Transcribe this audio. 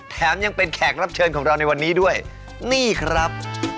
แถมยังเป็นแขกรับเชิญของเราในวันนี้ด้วยนี่ครับ